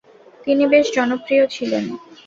তিনি বেশ জনপ্রিয় ছিলেন।